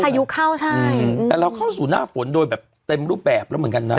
ยุเข้าใช่แต่เราเข้าสู่หน้าฝนโดยแบบเต็มรูปแบบแล้วเหมือนกันนะ